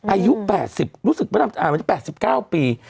อายุ๘๐รู้สึกประดำจากไหนทาง๘๙ปี